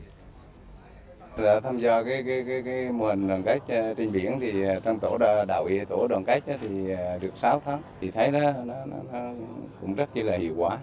tổ đội tàu đoàn kết được sáu tháng thì thấy nó cũng rất là hiệu quả